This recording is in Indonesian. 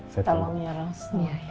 kita mau nyarang senyai ya